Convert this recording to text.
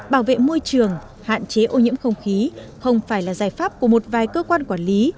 bảo vệ môi trường hạn chế ô nhiễm không khí không phải là giải pháp của một vài cơ quan quản lý